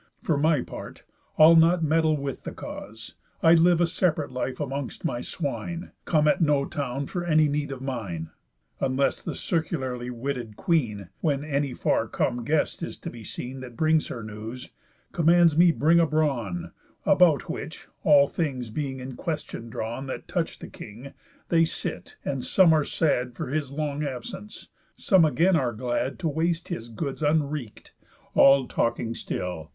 For my part, I'll not meddle with the cause, I live a separate life amongst my swine, Come at no town for any need of mine, Unless the circularly witted queen (When any far come guest is to be seen That brings her news) commands me bring a brawn, About which (all things being in question drawn, That touch the king) they sit, and some are sad For his long absence, some again are glad To waste his goods unwreak'd, all talking still.